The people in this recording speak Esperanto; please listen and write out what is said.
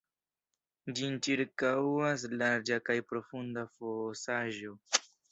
Ĝin ĉirkaŭas larĝa kaj profunda fosaĵo.